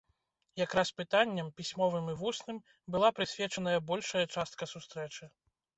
Якраз пытанням, пісьмовым і вусным, была прысвечаная большая частка сустрэчы.